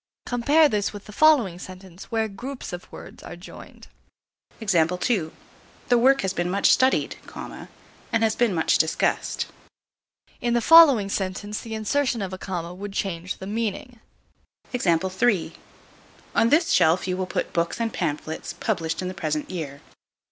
Compare this with the following sentence, where groups of words are joined. The work has been much studied, and has been much discussed. In the following sentence the insertion of a comma would change the meaning. On this shelf you will put books and pamphlets published in the present year.